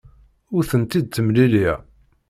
Ur tent-id-ttemliliɣ.